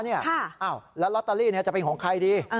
อ้าวแล้วลอตเตอรี่จะเป็นของใครดี